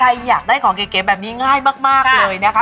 อยากได้ของเก๋แบบนี้ง่ายมากเลยนะคะ